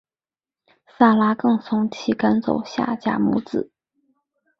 撒拉更怂其赶走夏甲母子。